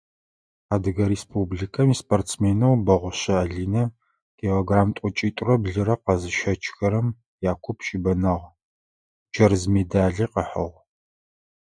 Адыгэ Республикэм испортсменэу Бэгъушъэ Алинэ килограмм тӀокӀитӀурэ блырэ къэзыщэчыхэрэм якуп щыбэнагъ, джэрз медали къыхьыгъ.